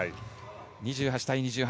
２８対２８。